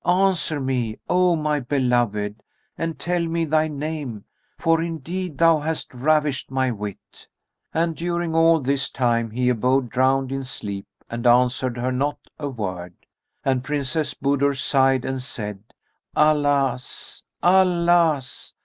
Answer me, O my beloved, and tell me thy name, for indeed thou hast ravished my wit!" And during all this time he abode drowned in sleep and answered her not a word, and Princess Budur sighed and said, "Alas! Alas!